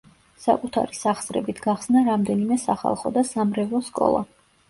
საკუთარი სახსრებით გახსნა რამდენიმე სახალხო და სამრევლო სკოლა.